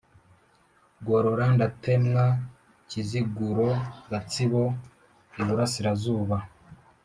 Gorora Ndatemwa KiziguroGatsibo Iburasirazuba